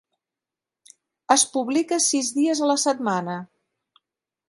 Es publica sis dies a la setmana.